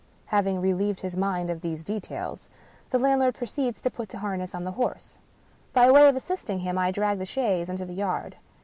" Having relieved his mind of these details, the landlord proceeds to put the harness on the horse By way of assisting him, I drag the chaise into the yard.